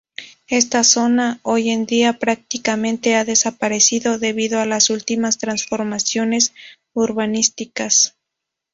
Esta zona, hoy en día, prácticamente ha desaparecido, debido a las últimas transformaciones urbanísticas.